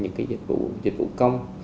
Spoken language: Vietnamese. những cái dịch vụ công